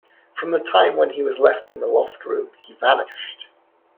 From the time when he was left in the loft-room, he vanished.